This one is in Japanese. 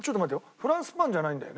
フランスパンじゃないんだよね？